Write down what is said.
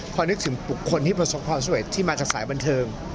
พอนึกถึงคนที่ประสบความสวยที่มาจากสายบันเทิง